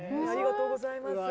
ありがとうございます。